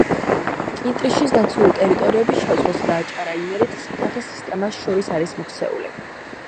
კინტრიშის დაცული ტერიტორიები შავ ზღვას და აჭარა-იმერეთის მთათა სისტემას შორის არის მოქცეული.